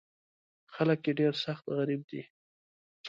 خلک یې ډېر سخت غریب دي.